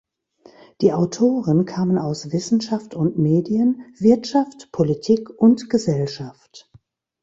Die Autoren kamen aus Wissenschaft und Medien, Wirtschaft, Politik und Gesellschaft.